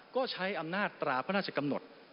ก็ใช้อำนาจตราพระราชกำหนด